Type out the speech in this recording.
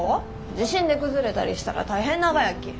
地震で崩れたりしたら大変ながやき。